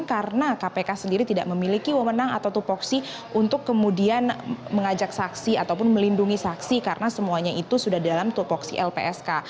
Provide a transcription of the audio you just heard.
karena kpk sendiri tidak memiliki wawonang atau tupoksi untuk kemudian mengajak saksi ataupun melindungi saksi karena semuanya itu sudah dalam tupoksi lpsk